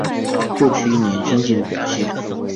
过去一年经济的表现